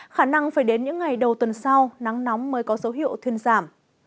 khả năng phải đến những ngày đầu tuần sau nắng nóng mới có dấu hiệu thuyên giảm